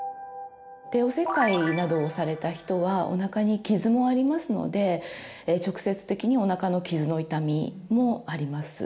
帝王切開などをされた人はおなかに傷もありますので直接的におなかの傷の痛みもあります。